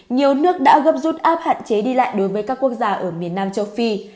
nhiều nước đã gấp rút áp hạn chế đi lại đối với các quốc gia ở miền nam châu phi